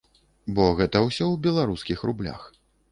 Бо гэта ўсё у беларускіх рублях.